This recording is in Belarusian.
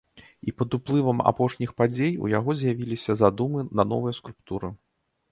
І пад уплывам апошніх падзей у яго з'явіліся задумы на новыя скульптуры.